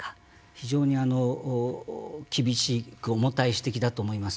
非常に厳しく重たい指摘だと思います。